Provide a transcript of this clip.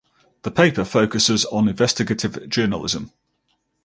The paper focuses on investigative journalism.